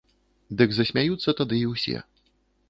Дык засмяюцца тады і ўсе.